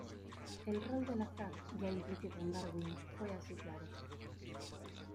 El rol del azar, ya implícito en Darwin, fue así claro.